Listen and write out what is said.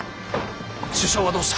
首相はどうした？